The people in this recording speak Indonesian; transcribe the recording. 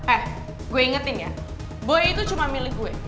eh gue ingetin ya boy itu cuma milik gue